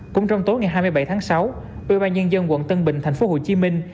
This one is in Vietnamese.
cũng trong tối ngày hai mươi bảy tháng sáu ubnd quận tân bình thành phố hồ chí minh